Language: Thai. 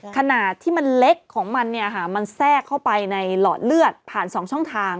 ขนาดที่มันเล็กของมันมันแทรกเข้าไปในหลอดเลือดผ่าน๒ช่องทาง